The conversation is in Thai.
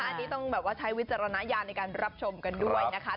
อันนี้ต้องแบบว่าใช้วิจารณญาณในการรับชมกันด้วยนะคะ